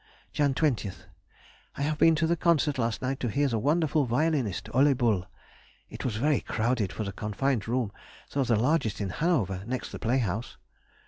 Jan. 20th.—I have been to the concert last night to hear the wonderful violinist, Ole Bull. It was very crowded for the confined room, though the largest in Hanover next the play house.